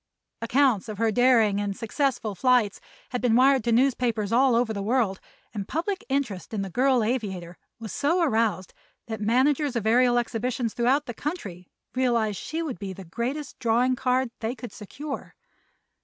Accounts of her daring and successful flights had been wired to newspapers all over the world and public interest in the girl aviator was so aroused that managers of aerial exhibitions throughout the country realized she would be the greatest "drawing card" they could secure.